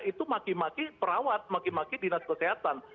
itu maki maki perawat maki maki dinas kesehatan